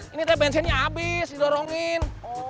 ini bensinnya habis didorongin